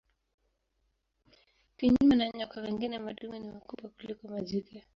Kinyume na nyoka wengine madume ni wakubwa kuliko majike.